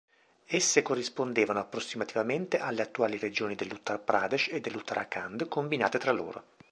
Esse corrispondevano approssimativamente alle attuali regioni dell'Uttar Pradesh e dell'Uttarakhand combinate tra loro.